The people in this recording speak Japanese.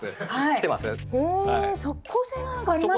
へえ即効性がなんかありますね。